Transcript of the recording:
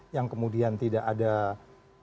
yang kemudian tidak ada bukti bukti